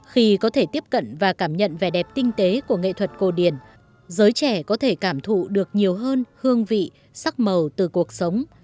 khi có thể tiếp cận và cảm nhận vẻ đẹp tinh tế của nghệ thuật cổ điển giới trẻ có thể cảm thụ được nhiều hơn hương vị sắc màu từ cuộc sống